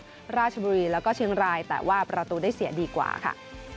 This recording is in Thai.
ในราชบุรีแล้วก็เชี่ยงรายแต่ว่าเป็นไหนราดูดได้เสียดีกว่าค่ะ